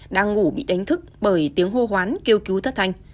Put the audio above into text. đang ngủ bị đánh thức bởi tiếng hô hoán kêu cứu thất thanh